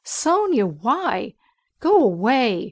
Sónya, why?... Go away!"